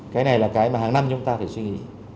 cái này là cái mà hàng năm chúng ta phải suy nghĩ